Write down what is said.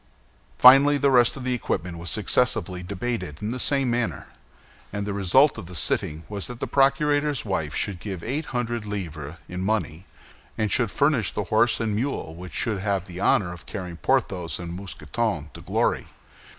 Finally, the rest of the equipment was successively debated in the same manner; and the result of the sitting was that the procurator's wife should give eight hundred livres in money, and should furnish the horse and the mule which should have the honor of carrying Porthos and Mousqueton to glory.